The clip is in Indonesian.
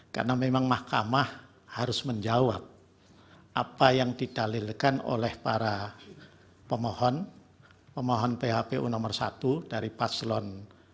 karena memang mahkamah harus menjawab apa yang didalilkan oleh para pemohon pemohon phpu nomor satu dari paslon satu